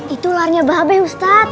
itu ularnya babek ustadz